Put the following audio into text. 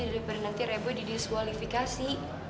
daripada nanti reboy didisvalifikasi